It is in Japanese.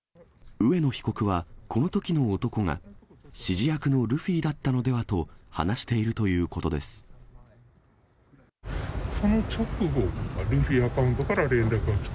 上野被告は、このときの男が指示役のルフィだったのではと、話しているというその直後、ルフィアカウントから連絡が来た。